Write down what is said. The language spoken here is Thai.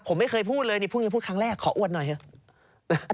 ผมไม่เคยพูดเลยนี่เพิ่งจะพูดครั้งแรกขออวดหน่อยเถอะ